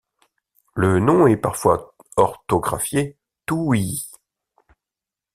Le nom est parfois orthographié Touï.